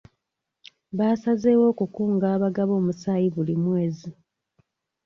Baasazeewo okukunga abagaba omusaayi buli mwezi.